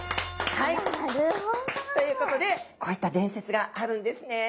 なるほど！ということでこういった伝説があるんですね。